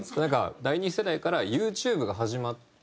第２世代からＹｏｕＴｕｂｅが始まって。